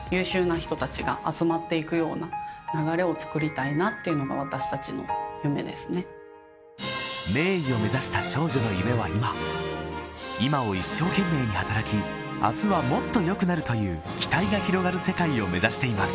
そんな岩さんの今の夢とは岩さんがその先に目指す未来の夢は名医を目指した少女の夢は今今を一生懸命に働き明日はもっと良くなるという期待が広がる世界を目指しています